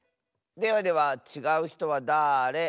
ではではちがうひとはだれ？